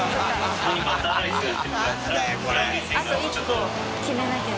あと１個決めなきゃ。